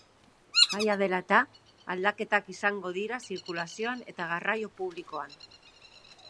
Jaia dela eta, aldaketak izango dira zirkulazioan eta garraio publikoan.